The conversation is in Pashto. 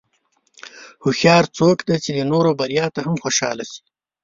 هوښیار څوک دی چې د نورو بریا ته هم خوشاله شي.